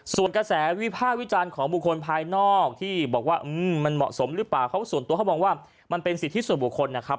ส่วนกระแสวิภาควิจารณ์ของบุคคลภายนอกที่บอกว่ามันเหมาะสมหรือเปล่าเขาส่วนตัวเขามองว่ามันเป็นสิทธิส่วนบุคคลนะครับ